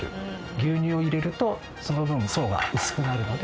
牛乳を入れるとその分層が薄くなるので。